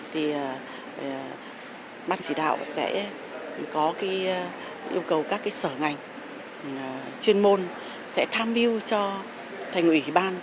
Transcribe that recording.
thì ban chỉ đạo sẽ có yêu cầu các sở ngành chuyên môn sẽ tham mưu cho thành ủy ban